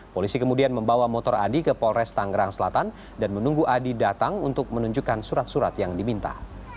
polisi kemudian membawa motor adi ke polres tanggerang selatan dan menunggu adi datang untuk menunjukkan surat surat yang diminta